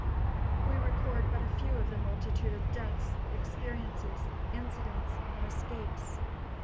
We record but a few of the multitude of deaths, experiences, incidents and escapes.